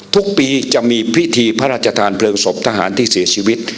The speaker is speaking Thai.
ทุกปีจะมีพิธีพระราชทานเพลิงศพทหารที่เสียชีวิต